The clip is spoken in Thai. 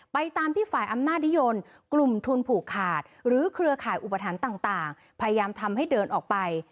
ตามที่ฝ่ายอำนาจนิยมกลุ่มทุนผูกขาดหรือเครือข่ายอุปถัมภ์ต่างพยายามทำให้เดินออกไป